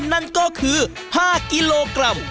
นั่นก็คือ๕กิโลกรัม